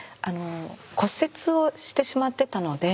骨折をしてしまってたので。